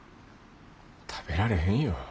食べられへんよ。